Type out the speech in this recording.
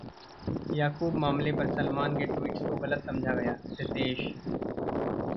याकूब मामले पर सलमान के ट्वीट्स को गलत समझा गया: रितेश